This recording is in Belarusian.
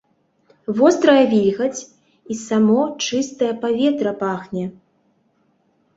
Вострая вільгаць, і само чыстае паветра пахне.